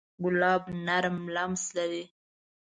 ګلاب نرم لمس لري.